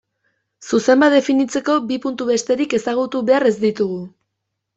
Zuzen bat definitzeko bi puntu besterik ezagutu behar ez ditugu.